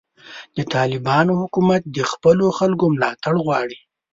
د طالبانو حکومت د خپلو خلکو ملاتړ غواړي.